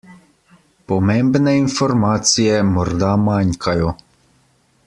Pomembne informacije morda manjkajo.